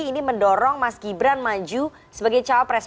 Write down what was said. ini mendorong mas gibran maju sebagai cawapres